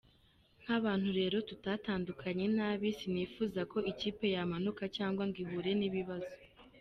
Nk’abantu rero tutatandukanye nabi, sinifuza ko ikipe yamanuka cyangwa ngo ihure n’ibibabzo.